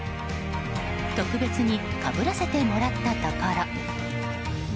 特別にかぶらせてもらったところ。